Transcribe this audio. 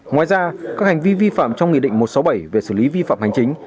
ngoài ra các hành vi vi phạm trong nghị định một trăm sáu mươi bảy về xử lý vi phạm hành chính